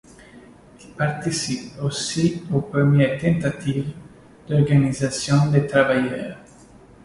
Il participe aussi aux premières tentatives d'organisation des travailleurs.